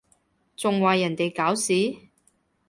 仲話人哋搞事？